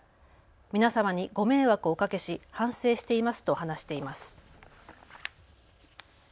皆様にご迷惑をおかけし反省していますと話しています。